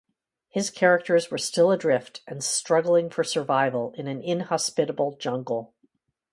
His characters were still adrift and struggling for survival in an inhospitable jungle.